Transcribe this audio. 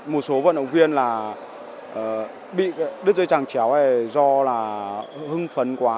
một số vận động viên bị đứt dây chẳng chéo do hưng phấn quá